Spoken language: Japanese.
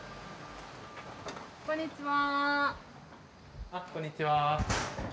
こんにちは。